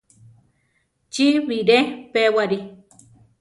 Chi bire pewari.